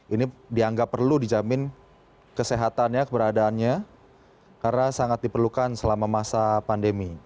ini dianggap perlu dijamin kesehatannya keberadaannya karena sangat diperlukan selama masa pandemi